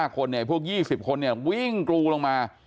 คนพวก๒๐คนวิ่งกรูลงมา